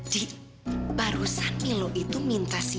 di barusan milo itu minta sidi rekaman